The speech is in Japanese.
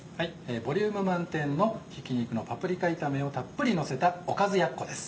ボリューム満点のひき肉のパプリカ炒めをたっぷりのせたおかずやっこです。